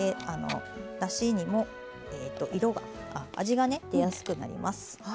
だしにも味が出やすくなります。